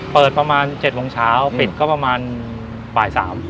เปิดประมาณ๑๙๐๐นปิดประมาณ๑๕๐๐น